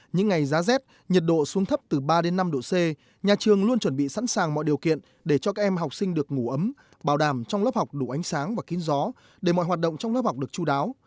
những ngày giá rét nhiệt độ xuống thấp từ ba đến năm độ c nhà trường luôn chuẩn bị sẵn sàng mọi điều kiện để cho các em học sinh được ngủ ấm bảo đảm trong lớp học đủ ánh sáng và kín gió để mọi hoạt động trong lớp học được chú đáo